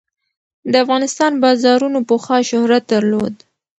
د افغانستان بازارونو پخوا شهرت درلود.